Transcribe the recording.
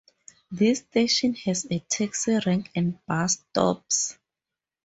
This station has a taxi rank and bus stops.